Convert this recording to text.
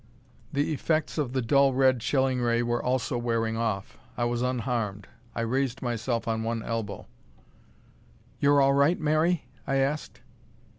The effects of the dull red chilling ray were also wearing off. I was unharmed. I raised myself on one elbow. "You're all right, Mary?" I asked.